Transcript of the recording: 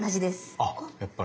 あやっぱり。